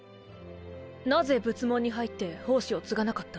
なぜ仏門に入って法師を継がなかった？